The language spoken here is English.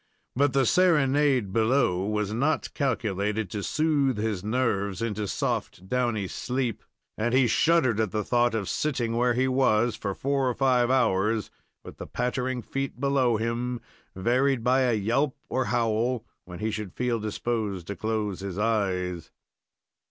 But the serenade below was not calculated to soothe his nerves into soft, downy sleep, and he shuddered at the thought of sitting where he was for four or five hours, with the pattering feet below him, varied by a yelp or howl, when he should feel disposed to close his eyes.